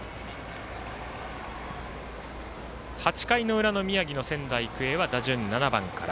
８回の裏、宮城の仙台育英は打順７番から。